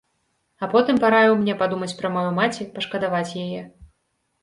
А потым параіў мне падумаць пра маю маці, пашкадаваць яе.